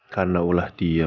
karena ulah dia